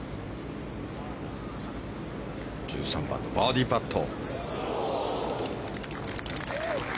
１３番のバーディーパット。